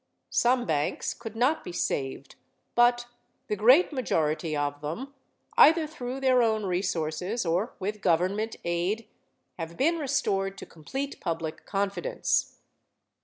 Some banks could not be saved but the great majority of them, either through their own resources or with government aid, have been restored to complete public confidence.